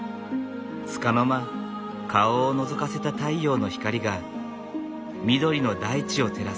つかの間顔をのぞかせた太陽の光が緑の大地を照らす。